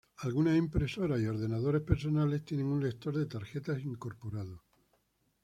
Algunas impresoras y computadoras personales tienen un lector de tarjetas incorporado.